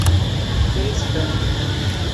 The Spender